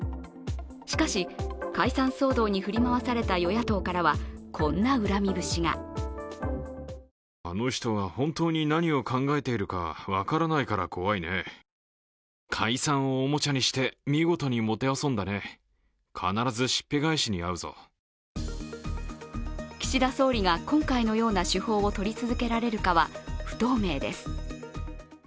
しかし、解散騒動に振り回された与野党からはこんな恨み節が岸田総理が今回のような手法を取り続けられるかは不透明です。